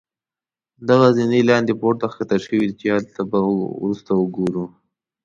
دغه زينې لاندې پوړ ته ښکته شوي چې هغه به وروسته وګورو.